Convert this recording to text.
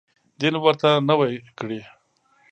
دین ورته نوی کړي.